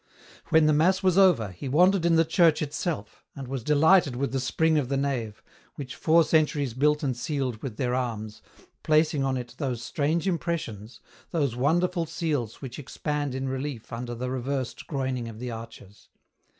When the mass was over, he wandered in the church itself, and was delighted with the spring of the nave, which four centuries built and sealed with their arms, placing on it those strange impressions, those wonderful seals which expand in relief under the reversed groining of the arches.